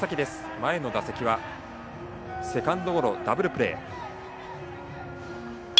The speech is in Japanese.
前の打席はセカンドゴロダブルプレー。